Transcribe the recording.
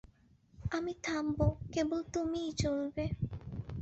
আমি থামব, কেবল তুমিই চলবে।